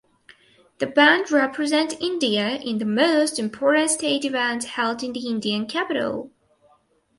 The band represents India in most important state events held in the Indian capital.